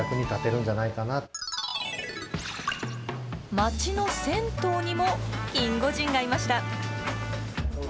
町の銭湯にもキンゴジンがいました。